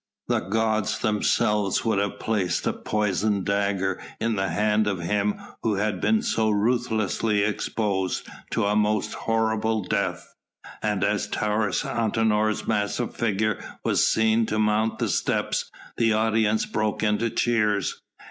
The gods themselves would have placed a poisoned dagger in the hand of him who had been so ruthlessly exposed to a most horrible death. And as Taurus Antinor's massive figure was seen to mount the steps, the audience broke into cheers.